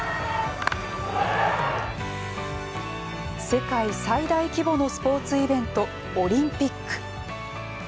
世界最大規模のスポーツイベント、オリンピック。